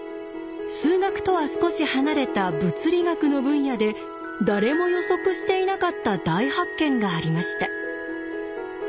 数学とは少し離れた物理学の分野で誰も予測していなかった大発見がありました。